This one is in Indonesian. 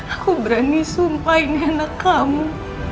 aku berani sumpah ini anak kamu